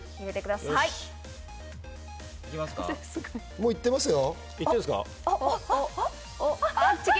もう行ってますよ。